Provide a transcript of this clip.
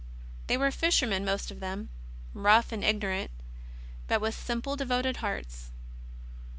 They were fishermen, most of them, rough and ignorant, but with simple, devoted hearts.